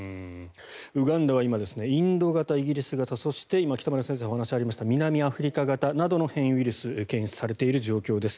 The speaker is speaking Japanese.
ウガンダは今インド型、イギリス型そして、今北村先生からお話がありました南アフリカ型などの変異ウイルス検出されている状況です。